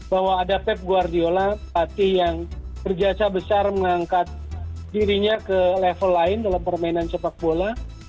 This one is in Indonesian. bahwa ada pep guardiola pelatih yang berjasa besar mengangkat dirinya ke level lain dalam permainan sepak bola